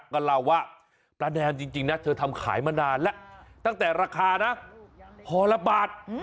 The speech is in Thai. ก็เล่าว่าปลาแนมจริงนะเธอทำขายมานานแล้วตั้งแต่ราคานะพอละบาท